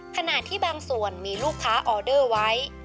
ขณะที่บางส่วนมีลูกค้าออเดอร์ไว้